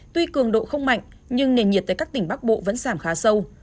tuy cường độ không mạnh nhưng nền nhiệt tại các tỉnh bắc bộ vẫn giảm khá sâu